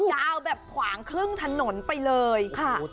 ยาวแบบขวางครึ่งถนนไปเลยค่ะ